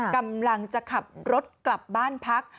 กำลังจะขับรถกลับบ้านพัก